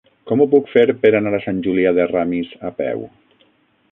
Com ho puc fer per anar a Sant Julià de Ramis a peu?